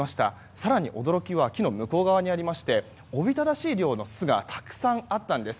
更に、驚きは木の向こう側にありましておびただしい量の巣がたくさんあったんです。